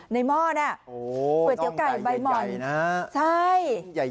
ในหม้อน่ะก๋วยเตี๋ยวไก่ใบหม่อนน้องไก่ใหญ่นะฮะใช่